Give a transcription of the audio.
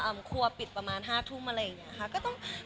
ครัวปิดประมาณ๕ทุ่มอะไรอย่างนี้ค่ะ